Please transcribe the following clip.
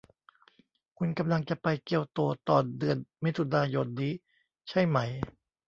คุณกำลังจะไปเกียวโตตอนเดือนมิถุนายนนี้ใช่ไหม